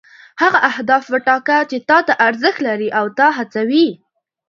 هغه اهداف وټاکه چې تا ته ارزښت لري او تا هڅوي.